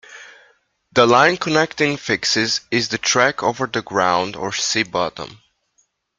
The line connecting fixes is the track over the ground or sea bottom.